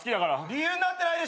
理由になってないでしょ！